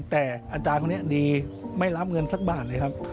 แต่อาจารย์คนนี้ดีไม่รับเงินสักบาทเลยครับ